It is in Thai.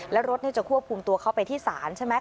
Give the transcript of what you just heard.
แล้วรถจะควบคุมตัวเขาไปที่ศาลใช่ไหม